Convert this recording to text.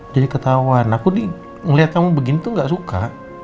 jadi ketahuan aku liat kamu begini tuh gak suka